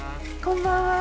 こんばんは。